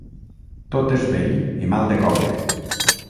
Tot és vell i mal de coure.